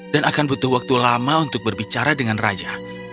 dan akan butuh waktu lama untuk berbicara dengan raja